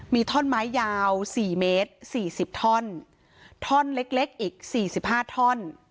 มีท่อนไม้ยาวสี่เมตรสี่สิบท่อนท่อนเล็กเล็กอีก๔๕ท่อน